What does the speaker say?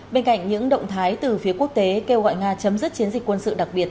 bên cạnh những động thái từ phía quốc tế kêu gọi nga chấm dứt chiến dịch quân sự đặc biệt